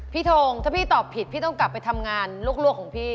ทงถ้าพี่ตอบผิดพี่ต้องกลับไปทำงานลวกของพี่